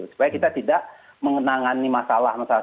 supaya kita tidak mengenangani masalah masalah